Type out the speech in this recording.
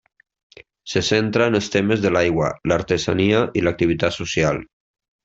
Se centra en els temes de l'aigua, l'artesania i l'activitat social.